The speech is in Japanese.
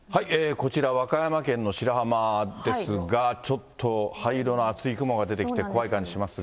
こちら、和歌山県の白浜ですが、ちょっと灰色の厚い雲が出てきて怖い感じしますが。